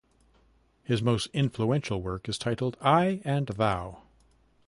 His most influential work is titled "I and Thou".